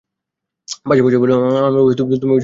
পাশে বসাইয়া বলিল, আমার বৌ হয়ে তুমি তুচ্ছ টাকার জন্য ভাবছ মতি?